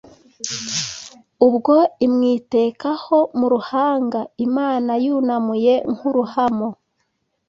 Ubwo imwitekaho mu ruhanga Imana yunamuye nk’ uruhamo